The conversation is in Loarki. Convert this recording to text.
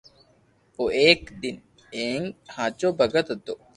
او ايڪ نيڪ ھين ھاچو ڀگت ھتو